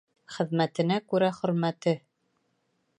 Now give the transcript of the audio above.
Хеҙмәтенә күрә хөрмәте.